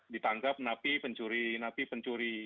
ditangkap napi pencuri napi pencuri